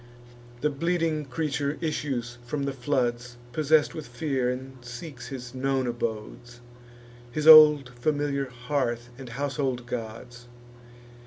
The bleeding creature issues from the floods, Possess'd with fear, and seeks his known abodes, His old familiar hearth and household gods.